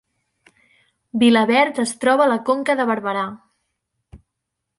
Vilaverd es troba a la Conca de Barberà